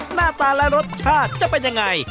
หน้าตาและรสชาติจะเป็นยังไง